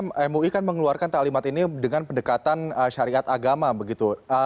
pak niam mui kan mengeluarkan pahlimat ini dengan pendekatan syariat agama begitu